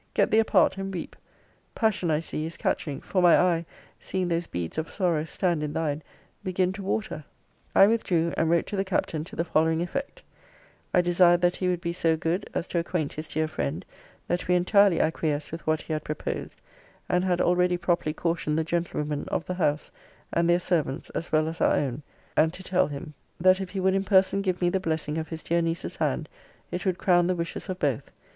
Get thee apart and weep! Passion, I see, is catching: For my eye, Seeing those beads of sorrow stand in thine, Begin to water I withdrew, and wrote to the Captain to the following effect 'I desired that he would be so good as to acquaint his dear friend that we entirely acquiesced with what he had proposed; and had already properly cautioned the gentlewomen of the house, and their servants, as well as our own: and to tell him, That if he would in person give me the blessing of his dear niece's hand, it would crown the wishes of both.